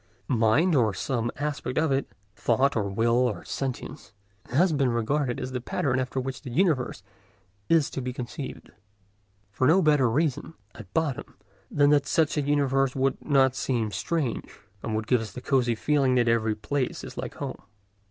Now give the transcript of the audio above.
Mind, or some aspect of it—thought or will or sentience—has been regarded as the pattern after which the universe is to be conceived, for no better reason, at bottom, than that such a universe would not seem strange, and would give us the cosy feeling that every place is like home.